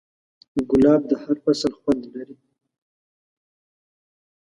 ګلاب د هر فصل خوند لري.